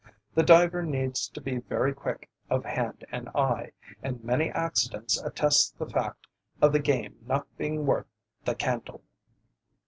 The diver needs to be very quick of hand and eye, and many accidents attest the fact of the game not being worth the candle.